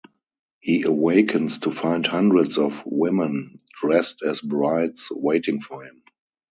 He awakens to find hundreds of women dressed as brides waiting for him.